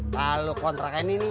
kalau lo kontrakin ini